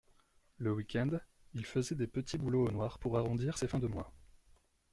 Le week-end, il faisait des petits boulots au noir pour arrondir ses fins de mois